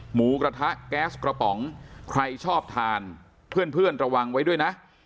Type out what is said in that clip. หมูกระทะแก๊สกระป๋องใครชอบทานเพื่อนระวังไว้ด้วยนะ